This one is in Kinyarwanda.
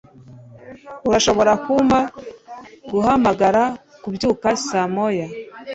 Urashobora kumpa guhamagara kubyuka saa moya?